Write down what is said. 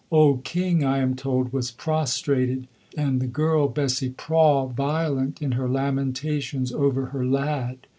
Old King, I am told, was prostrated, and the girl, Bessie Prawle, violent in her lamentations over her "lad."